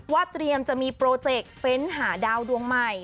เตรียมจะมีโปรเจกต์เฟ้นหาดาวดวงใหม่